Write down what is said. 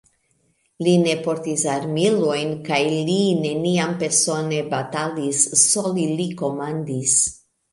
Li ne portis armilojn kaj li neniam persone batalis, sole li komandis.